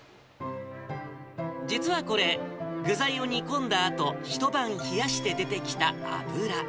実はこれ、具材を煮込んだあと、一晩冷やして出てきた油。